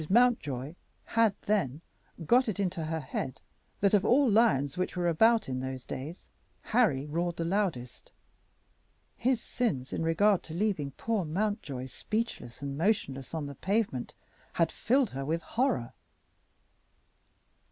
Mountjoy had then got it into her head that of all lions which were about in those days Harry roared the loudest. His sins in regard to leaving poor Mountjoy speechless and motionless on the pavement had filled her with horror.